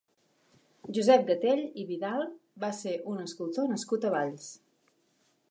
Josep Gatell i Vidal va ser un escultor nascut a Valls.